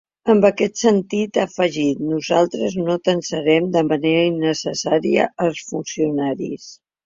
En aquest sentit, ha afegit: ‘Nosaltres no tensarem de manera innecessària els funcionaris’.